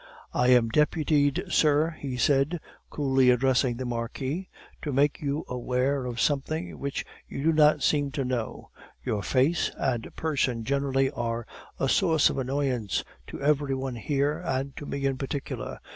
"I am deputed, sir," he said coolly addressing the Marquis, "to make you aware of something which you do not seem to know; your face and person generally are a source of annoyance to every one here, and to me in particular.